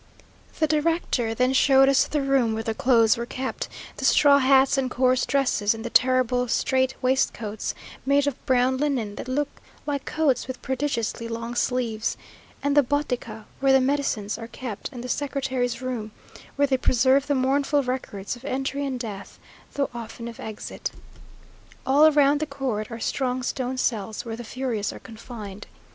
The director then showed us the room where the clothes are kept; the straw hats and coarse dresses, and the terrible straight waistcoats made of brown linen, that look like coats with prodigiously long sleeves, and the Botica where the medicines are kept, and the secretary's room where they preserve the mournful records of entry and death though often of exit. All round the court are strong stone cells, where the furious are confined.